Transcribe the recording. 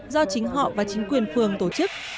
do chính họ và chính quyền phường tổ chức